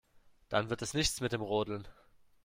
Dann wird es nichts mit dem Rodeln.